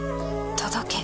届け。